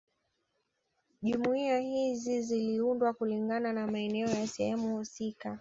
Jumuiya hizi ziliundwa kulingana na maeneo ya sehemu husika